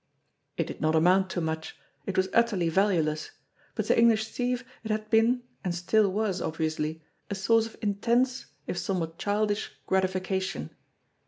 It did not amount to much ; it was utterly valueless ; but to English Steve it had been, and still was obviously, a source of intense, if somewhat childish, gratification.